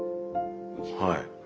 はい。